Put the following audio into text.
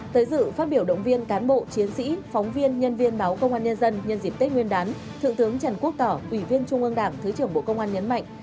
tới dự phát biểu động viên cán bộ chiến sĩ phóng viên nhân viên báo công an nhân dân nhân dịp tết nguyên đán thượng tướng trần quốc tỏ ủy viên trung ương đảng thứ trưởng bộ công an nhấn mạnh